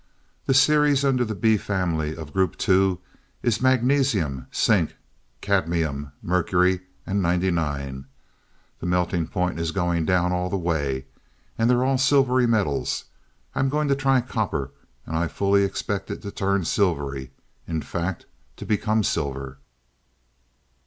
The series under the B family of Group II is Magnesium, Zinc, Cadmium, Mercury and 99. The melting point is going down all the way, and they're all silvery metals. I'm going to try copper, and I fully expect it to turn silvery in fact, to become silver."